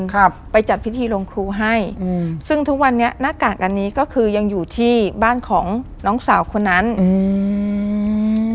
ครับไปจัดพิธีลงครูให้อืมซึ่งทุกวันนี้หน้ากากอันนี้ก็คือยังอยู่ที่บ้านของน้องสาวคนนั้นอืม